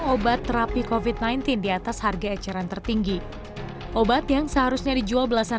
obat terapi covid sembilan belas di atas harga eceran tertinggi obat yang seharusnya dijual belasan